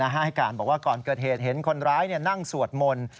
ให้การบอกว่าก่อนเกิดเหตุเห็นคนร้ายนั่งสวดมนต์